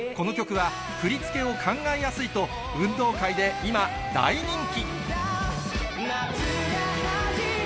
この曲は振り付けを考えやすいと、運動会で今、大人気。